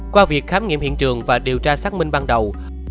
qua việc khám nghiệm hiện trường và điều tra xác minh ban đầu